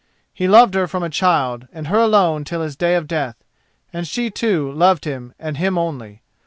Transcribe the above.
He loved her from a child, and her alone till his day of death, and she, too, loved him and him only.